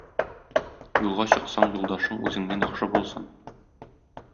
Юлга чыксаң юлдашың үзеңнән яхшы булсын.